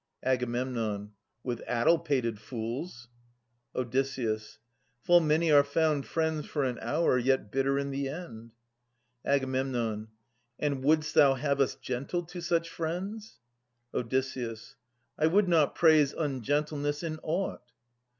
Ag, With addle pated fools. Od. Full many are found Friends for an hour, yet bitter in the end. Ag. And wouldst thou have us gentle to such friends ? Od. I would not praise ungentleness in aught.